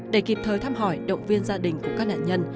để kịp thời thăm hỏi động viên gia đình của các nạn nhân